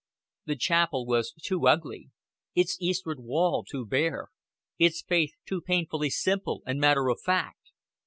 The chapel was too ugly, its eastward wall too bare, its faith too painfully simple and matter of fact.